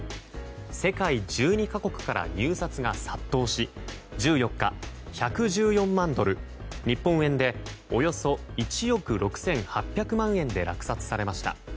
世界１２か国から入札が殺到し１４日、１１４万ドル日本円でおよそ１億６８００万円で落札されました。